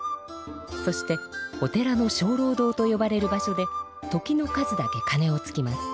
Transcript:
そしてお寺のしょうろう堂とよばれる場所で時の数だけかねをつきます。